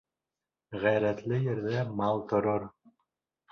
Ғәйрәтле ерҙә мал торор.